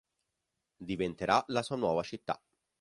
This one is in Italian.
Diventerà la sua nuova città.